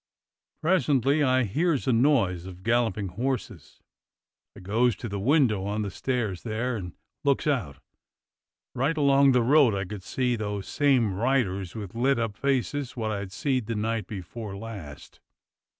Presently I hears a noise of galloping horses. I goes to the window on the stairs there, and looks out. Right along the road I could see those same riders with Kt up faces wot I'd seed the night before 139 140 DOCTOR SYN last.